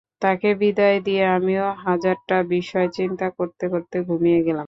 তাকে বিদায় দিয়ে আমিও হাজারটা বিষয় চিন্তা করতে করতে ঘুমিয়ে গেলাম।